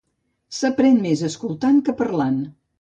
S'aprèn més escoltant que parlant.